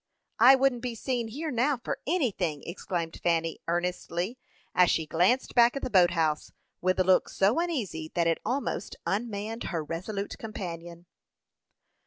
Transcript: "I wouldn't be seen here now for anything!" exclaimed Fanny, earnestly, as she glanced back at the boat house, with a look so uneasy that it almost unmanned her resolute companion.